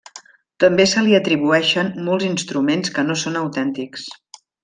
També se li atribueixen molts instruments que no són autèntics.